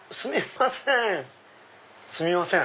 すみません！